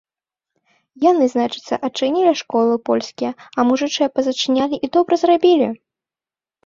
Яны, значыцца, адчынілі школы польскія, а мужычыя пазачынялі і добра зрабілі!